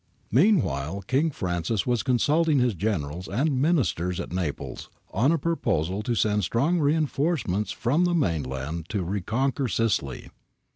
^ Meanwhile King Francis was consulting his Generals and Ministers at Naples on a proposal to send strong reinforcements from the mainland to reconquer Sicily.